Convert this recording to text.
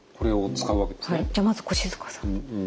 じゃあまず越塚さん。